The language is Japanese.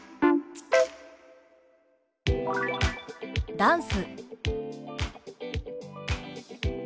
「ダンス」。